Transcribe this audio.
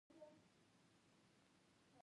پنجشیریانو د روسانو او نورو یرغلګرو ملاتړ وکړ